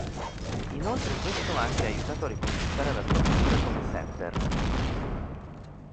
Inoltre, questo ha anche aiutato a riconquistare la sua fiducia come setter.